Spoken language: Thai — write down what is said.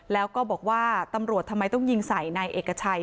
แล้วก็บอกว่าตำรวจทำไมต้องยิงใส่นายเอกชัย